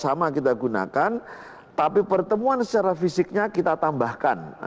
sama kita gunakan tapi pertemuan secara fisiknya kita tambahkan